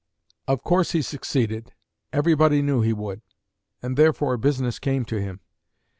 Of course he succeeded. Everybody knew he would, and therefore business came to him.